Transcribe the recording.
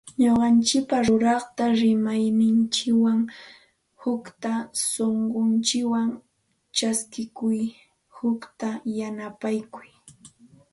Ñuqanchikpaq ruraqta rimayninchikwan utaq sunqunchikwan chaskikuy utaq yanapakuy